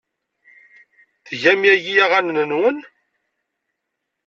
Tgam yagi aɣanen-nwen?